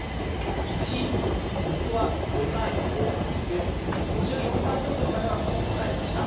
１位、夫が５対５５４％の方がこう答えました。